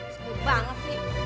sebut banget sih